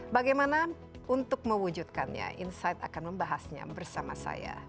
bagaimana untuk mewujudkannya insight akan membahasnya bersama saya